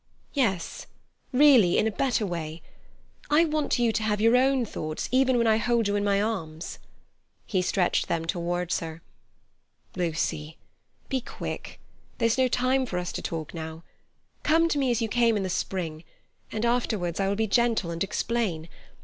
"Yes—really in a better way. I want you to have your own thoughts even when I hold you in my arms." He stretched them towards her. "Lucy, be quick—there's no time for us to talk now—come to me as you came in the spring, and afterwards I will be gentle and explain.